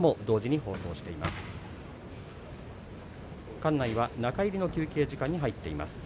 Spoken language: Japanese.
館内は中入りの休憩時間に入っています。